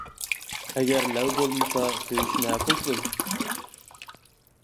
ئەگەر لەۋ بولمىسا سۆيۈش نە قىلسۇن؟ !